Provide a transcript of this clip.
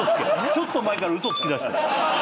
ちょっと前から嘘つきだした。